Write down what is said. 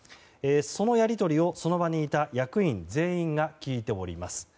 そのやり取りをその場にいた役員全員が聞いております。